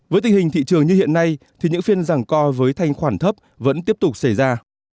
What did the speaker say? với tình hình thị trường như hiện nay thì những phiên giảng co với thanh khoản thấp vẫn tiếp tục xảy ra